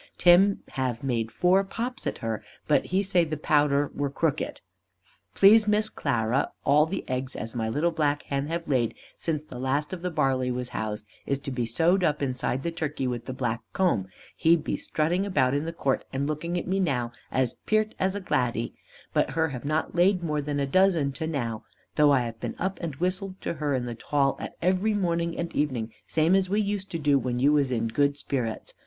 Tim have made four pops at her, but he say the powder were crooked. Please Miss Clara, all the eggs as my little black hen have laid, since the last of the barley was housed, is to be sewed up inside the Turkey with the black comb; he be strutting about in the court and looking at me now as peart as a gladdy; but her have not laid more than a dozen to now, though I have been up and whistled to her in the tall at every morning and evening same as we used to do when you was in good spirits.